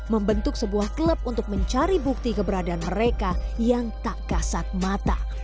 membentuk sebuah klub untuk mencari bukti keberadaan mereka yang tak kasat mata